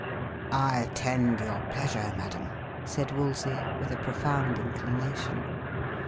"I attend your pleasure, madam," said Wolsey, with a profound inclination.